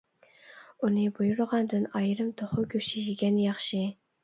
ئۇنى بۇيرۇغاندىن ئايرىم توخۇ گۆشى يېگەن ياخشى.